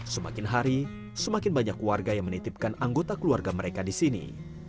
semakin hari semakin banyak warga yang menitipkan anggota keluarga mereka di sini